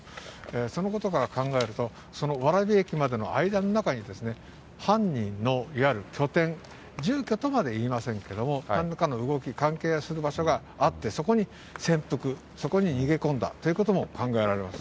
そのことから考えると、その蕨駅までの間の中に、犯人のいわゆる拠点、住居とまでは言いませんけど、なんらかの動き、関係する場所があって、そこに潜伏、そこに逃げ込んだということも考えられます。